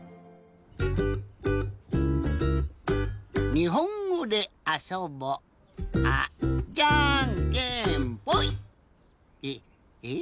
「にほんごであそぼ」あっじゃんけんぽい！えっ？